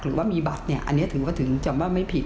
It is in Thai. หรือว่ามีบัตรเนี่ยอันนี้ถือว่าถึงจะว่าไม่ผิด